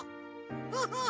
フフフ！